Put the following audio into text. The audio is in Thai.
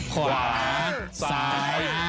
ขวาซ้าย